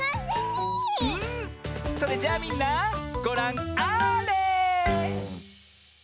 それじゃあみんなごらんあれ！